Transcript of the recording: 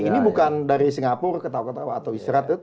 ini bukan dari singapura ketawa ketawa atau israte